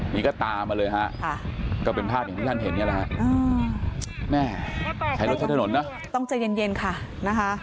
นี่ก็ตามมาเลยฮะก็เป็นภาพที่ท่านเห็นอย่างนี้แหละฮะแม่ขายรถช่วยถนนเนาะต้องเจอเย็นค่ะนะคะ